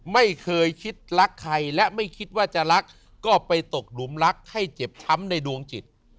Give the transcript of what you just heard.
ไม่เคยคิดรักใครและไม่คิดว่าจะรักก็ไปตกหลุมรักให้เจ็บช้ำในดวงจิต